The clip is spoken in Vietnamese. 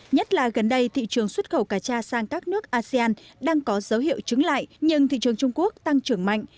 nhất là gần đây thị trường xuất khẩu cà cha sang các nước asean đang có dấu hiệu chứng lại nhưng thị trường trung quốc tăng trưởng mạnh